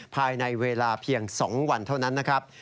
ภายในเวลาเพียง๒วันเท่านั้นนะครับ